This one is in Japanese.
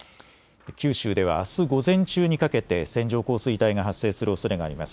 九州ではあす午前中にかけて線状降水帯が発生するおそれがあります。